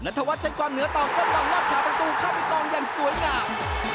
นัทธวัฒน์ใช้ความเหนือต่อเส้นวันรอบขาประตูข้ามีกองอย่างสวยงาม